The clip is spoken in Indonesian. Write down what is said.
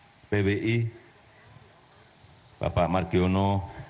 yang saya hormati ketua bbi bapak margiono